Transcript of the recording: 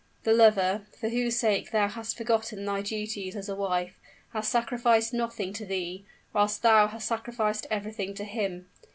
The lover, for whose sake thou hast forgotten thy duties as a wife, has sacrificed nothing to thee, whilst thou hast sacrificed everything to him.